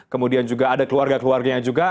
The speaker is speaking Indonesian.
kemudian juga ada keluarga keluarganya juga